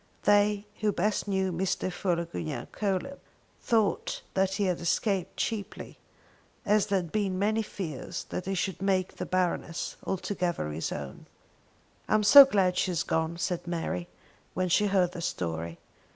They who best knew Mr. Philogunac Coelebs thought that he had escaped cheaply, as there had been many fears that he should make the Baroness altogether his own. "I am so glad she has gone," said Mary, when she heard the story.